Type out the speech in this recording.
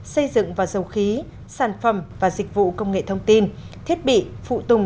xây dựng và dầu khí sản phẩm và dịch vụ công nghệ thông tin thiết bị phụ tùng